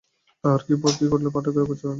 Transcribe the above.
তাহার পর কী ঘটিল পাঠকের অগোচর নাই।